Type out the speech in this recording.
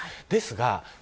ですが